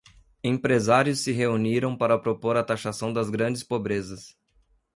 Empresários se reuniram para propor a taxação das grandes pobrezas